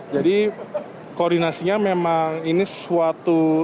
jadi koordinasinya memang ini suatu ujian dan juga tantangan kenapa jalan sehat